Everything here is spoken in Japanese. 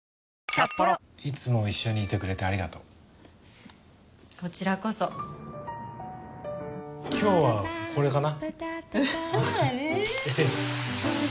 いつも一緒にいてくれてありがとうこちらこそ今日はこれかな